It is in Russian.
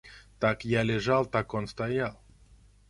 Так я лежал, так он стоял.